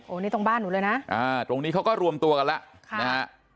นี่ตรงบ้านหนูเลยนะตรงนี้เขาก็รวมตัวกันแล้วนะฮะ